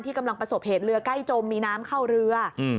กำลังประสบเหตุเรือใกล้จมมีน้ำเข้าเรือ